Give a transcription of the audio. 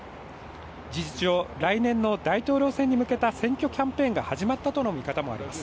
事実上、来年の大統領選に向けた選挙キャンペーンが始まったとの見方もあります。